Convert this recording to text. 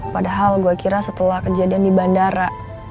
padahal gue kira setelah kejadian di bandara